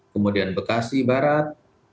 kemudian bekasi barat